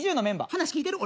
話聞いてる？